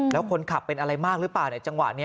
แล้วคนขับเป็นอะไรมากหรือเปล่าในจังหวะนี้